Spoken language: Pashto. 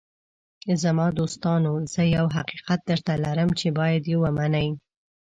“زما دوستانو، زه یو حقیقت درته لرم چې باید یې ومنئ.